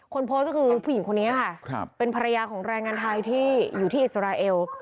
คนโพสต์ก็คือผู้หญิงคนนี้ค่ะเป็นภรรยาของแรงงานไทยที่อยู่ที่อิสราเอล